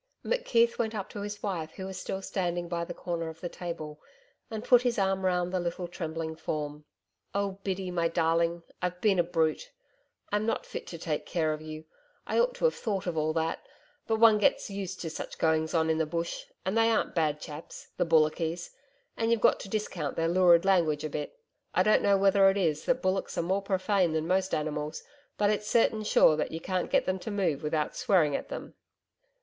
McKeith went up to his wife who was still standing by the corner of the table, and put his arm round the little trembling form. 'Oh! Biddy my darling. I've been a brute. I'm not fit to take care of you. I ought to have thought of all that. But one gets used to such goings on in the Bush, and they aren't bad chaps the bullockys, and you've got to discount their lurid language a bit. I don't know whether it is that bullocks are more profane than most animals, but it's certain sure that you can't get them to move without swearing at them.'